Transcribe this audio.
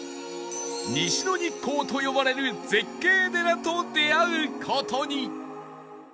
「西の日光」と呼ばれる絶景寺と出会う事に！